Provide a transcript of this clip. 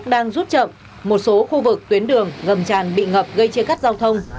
đang rút chậm một số khu vực tuyến đường gầm tràn bị ngập gây chia cắt giao thông